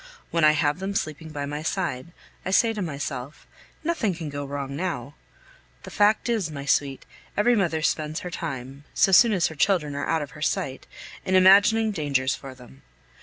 When I have them sleeping by my side, I say to myself, "Nothing can go wrong now." The fact is, my sweet, every mother spends her time, so soon as her children are out of her sight, in imagining dangers for them.